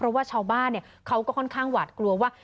เพราะว่าชาวบ้านเขาก็ค่อนข้างหวาดกลัวว่า